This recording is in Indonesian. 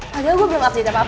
padahal gue belum appin apa apa